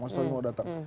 mas tommy mau datang